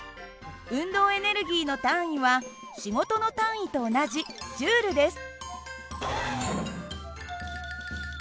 運動エネルギーの単位は仕事の単位と同じＪです。